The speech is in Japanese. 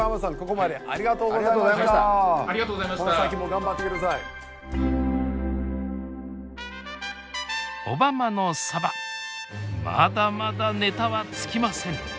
まだまだネタは尽きません。